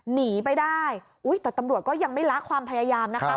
หนีไปได้อุ้ยแต่ตำรวจก็ยังไม่ละความพยายามนะคะ